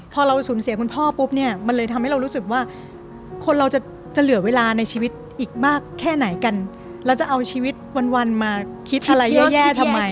พอเราสูญเสียคุณพ่อปุ๊บเนี่ยมันเลยทำให้เรารู้สึกว่าคนเราจะจะเหลือเวลาในชีวิตอีกมากแค่ไหนกันแล้วจะเอาชีวิตวันวันมาคิดอะไรแย่ทำไม